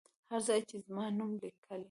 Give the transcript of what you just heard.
هر ځای چې زما نوم لیکلی.